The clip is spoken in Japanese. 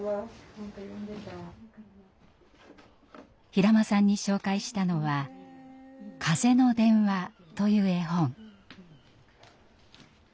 平間さんに紹介したのは「かぜのでんわ」という絵本。